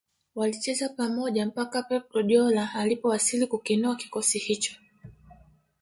Walicheza pamoja mpaka Pep Guardiola alipowasili kukinoa kikosi hicho